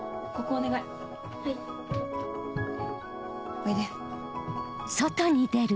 おいで。